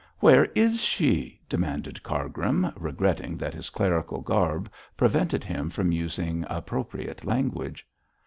'Where is she?' demanded Cargrim, regretting that his clerical garb prevented him from using appropriate language.